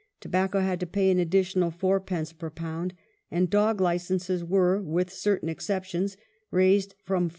tobacco had to pay an additional 4d. per lb., and dog licenses were (with certain excep tions) raised from 5s.